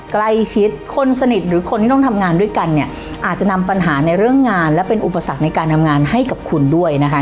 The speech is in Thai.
คนสนิทหรือคนที่ต้องทำงานด้วยกันเนี่ยอาจจะนำปัญหาในเรื่องงานและเป็นอุปสรรคในการทำงานให้กับคุณด้วยนะคะ